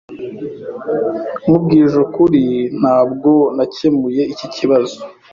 Nkubwije ukuri, ntabwo nakemuye iki kibazo.